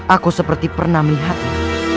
aku seperti pernah melihatnya